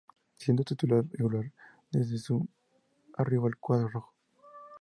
Siendo un titular regular desde su arribo al cuadro rojo.